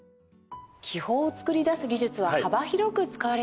気泡を作り出す技術は幅広く使われているんですね。